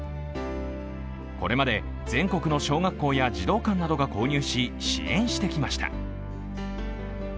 これまで全国の小学校や児童館などが購入し、支援してきました。